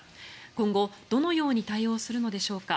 今後、どのように対応するのでしょうか。